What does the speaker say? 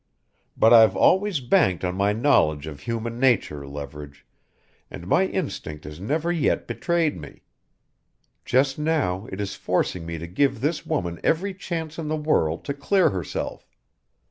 But I've always banked on my knowledge of human nature, Leverage and my instinct has never yet betrayed me. Just now it is forcing me to give this woman every chance in the world to clear herself.